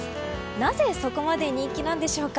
なぜそこまで人気なんでしょうか。